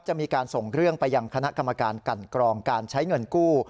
จะมีการส่งเรื่องไปยังคณะกรรมการกันกรองการใช้เงินกู้